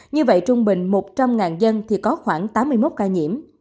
như vậy trung bình một trăm linh dân thì có khoảng tám mươi một ca nhiễm